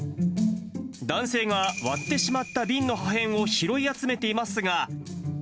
男性が割ってしまった瓶の破片を拾い集めていますが。